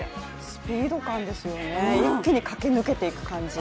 スピード感ですよね、一気に駆け抜けていく感じ。